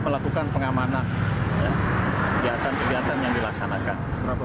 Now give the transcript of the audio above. kita lakukan pengamanan kegiatan kegiatan yang dilaksanakan